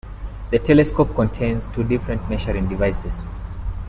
The telescope contains two different measuring devices.